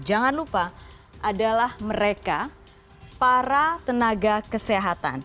jangan lupa adalah mereka para tenaga kesehatan